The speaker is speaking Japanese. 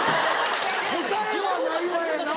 答えはないわやな。